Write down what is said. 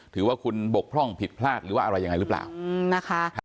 ถือว่าคุณบกพร่องผิดพลาดหรือว่าอะไรยังไงหรือเปล่านะคะ